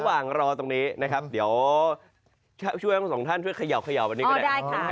รอตรงนี้นะครับเดี๋ยวช่วยทั้งสองท่านช่วยเขย่าวันนี้ก็ได้